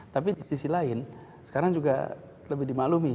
tapi di sisi lain sekarang juga lebih dimaklumi